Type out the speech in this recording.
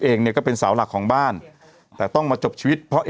เองเนี่ยก็เป็นเสาหลักของบ้านแต่ต้องมาจบชีวิตเพราะ